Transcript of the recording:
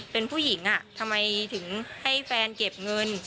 เป็นผู้หญิงทำไมถึงให้แฟนเก็บเงิน